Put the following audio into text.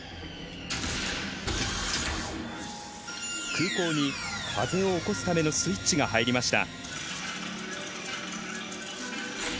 空港に、風を起こすためのスイッチが入りました。